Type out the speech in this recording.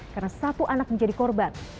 karena satu anak menjadi korban